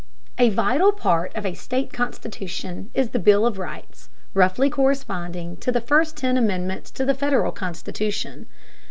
A vital part of a state constitution is the bill of rights, roughly corresponding to the first ten amendments to the Federal Constitution.